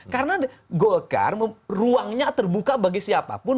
karena golkar ruangnya terbuka bagi siapapun